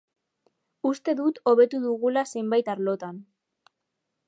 Uste dut hobetu dugula zenbait arlotan.